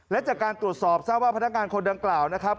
และจากการตรวจสอบทราบว่าพนักงานคนดังกล่าวนะครับ